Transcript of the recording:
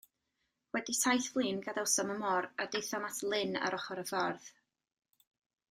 Wedi taith flin gadawsom y môr, a daethom at lyn ar ochr y ffordd.